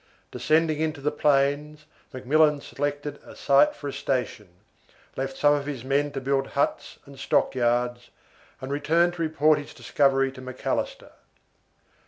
Descending into the plains, McMillan selected a site for a station, left some of his men to build huts and stockyards, and returned to report his discovery to Macalister.